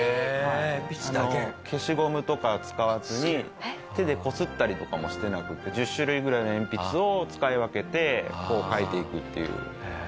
消しゴムとか使わずに手でこすったりとかもしてなくて１０種類ぐらいの鉛筆を使い分けてこう描いていくっていう。